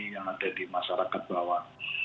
yang ada di masyarakat bawah